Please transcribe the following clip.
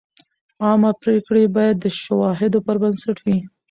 عامه پریکړې باید د شواهدو پر بنسټ وي.